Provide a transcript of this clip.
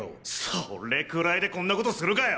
それくらいでこんな事するかよ！